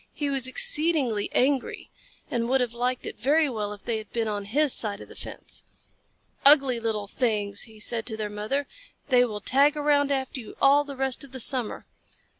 He was exceedingly angry, and would have liked it very well if they had been on his side of the fence. "Ugly little things!" he said to their mother. "They will tag around after you all the rest of the summer."